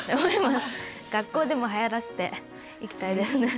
学校でもはやらせていきたいですね。